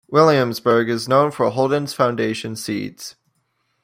Williamsburg is known for Holden's Foundation Seeds.